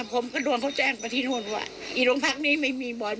ผมก็รวมเขาแจ้งไปที่โน่นวะอีดวงพักนี้ไม่มีบ่อย